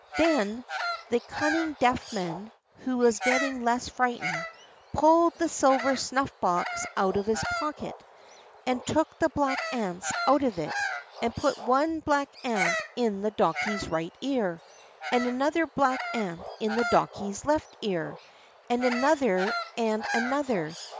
Then the cunning Deaf Man (who was getting less frightened) pulled the silver snuff box out of his pocket, and took the black ants out of it, and put one black ant in the Donkey's right ear, and another black ant in the Donkey's left ear, and another and another.